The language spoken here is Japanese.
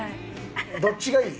どっちがいい？